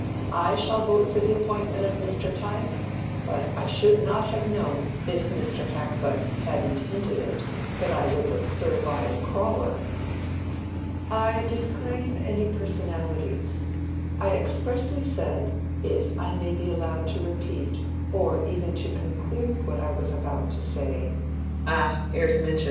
"I shall vote for the appointment of Mr. Tyke, but I should not have known, if Mr. Hackbutt hadn't hinted it, that I was a Servile Crawler." "I disclaim any personalities. I expressly said, if I may be allowed to repeat, or even to conclude what I was about to say—" "Ah, here's Minchin!"